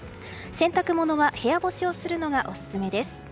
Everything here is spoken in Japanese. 洗濯物は部屋干しをするのがオススメです。